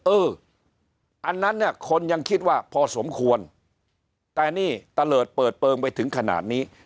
เอออันนั้นเนี่ยคนยังคิดว่าพอสมควรแต่นี่ตะเลิศเปิดเปลืองไปถึงขนาดนี้